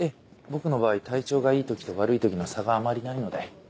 僕の場合体調がいい時と悪い時の差があまりないので。